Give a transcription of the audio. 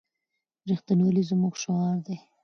رښتینولي زموږ شعار دی.